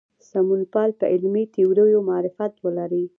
سمونپال په علمي تیوریو معرفت ولري.